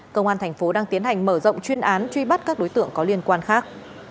công an thành phố đang tiến hành mở rộng chuyên án truy bắt các đối tượng có liên quan khác